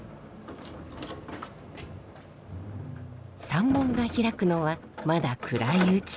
山門が開くのはまだ暗いうち。